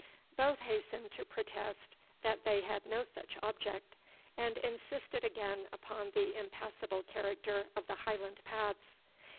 Both hastened to protest that they had no such object, and insisted again upon the impassable character of the Highland paths.